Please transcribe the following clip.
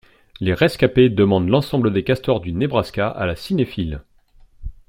Les rescapées demandent l'ensemble des castors du Nebraska à la cinéphile!